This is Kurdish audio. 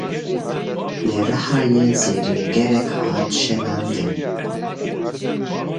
Li Rihayê zêrîngerek hat şelandin.